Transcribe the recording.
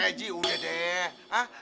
eji udah deh